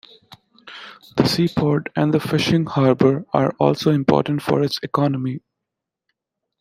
The seaport and the fishing harbour are also important for its economy.